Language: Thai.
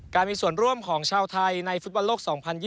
มีส่วนร่วมของชาวไทยในฟุตบอลโลก๒๐๒๐